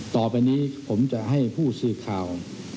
ต่อไปนี้ผมจะให้ผู้สื่อข่าว